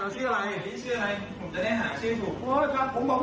ศรีสาทองครับ